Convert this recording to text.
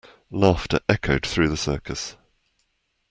Laughter echoed through the circus.